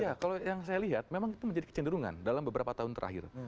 ya kalau yang saya lihat memang itu menjadi kecenderungan dalam beberapa tahun terakhir